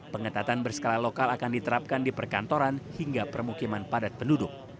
pengetatan berskala lokal akan diterapkan di perkantoran hingga permukiman padat penduduk